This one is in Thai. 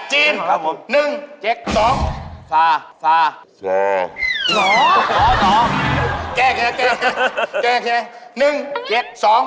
จีนครับผม